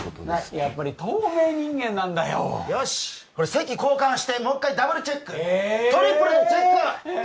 やっぱり透明人間なんだよよしこれ席交換してもう一回ダブルチェックトリプルでチェックえー